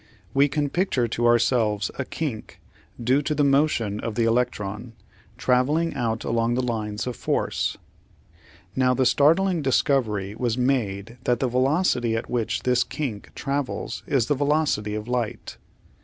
We can picture to ourselves a kink, due to the motion of the electron, travelling out along the lines of force (see Fig. 1 facing p. 825). Now the startling discovery was made that the velocity at which this kink travels is the velocity of light.